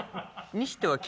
「にしては」？